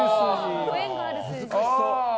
難しそう。